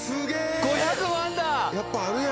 やっぱあるやん！